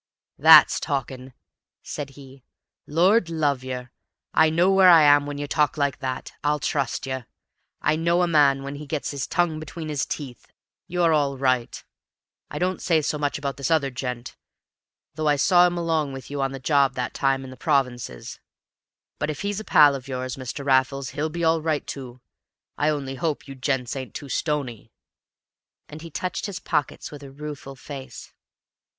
"That's talking!" said he. "Lord love yer, I know where I am when you talk like that. I'll trust yer. I know a man when he gets his tongue between his teeth; you're all right. I don't say so much about this other gent, though I saw him along with you on the job that time in the provinces; but if he's a pal of yours, Mr. Raffles, he'll be all right too. I only hope you gents ain't too stony " And he touched his pockets with a rueful face.